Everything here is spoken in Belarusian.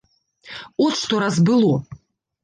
От што раз было.